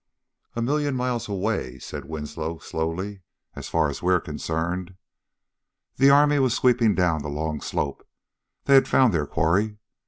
"A million miles away," said Winslow slowly, "as far as we're concerned." The army was sweeping down the long slope: they had found their quarry.